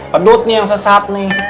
pedut nih yang sesat nih